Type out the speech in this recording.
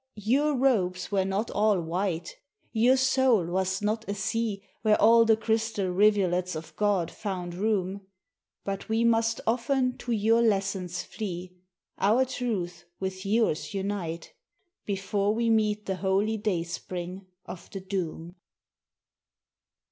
Your robes were not all white, Your soul was not a sea Where all the crystal rivulets of God found room: But we must often to your lessons flee, Our truth with yours unite, Before we meet the holy dayspring of the doom.